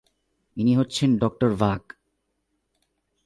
ইনি হচ্ছেন ডঃ ভাক।